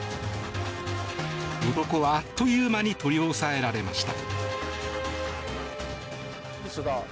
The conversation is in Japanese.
男はあっという間に取り押さえられました。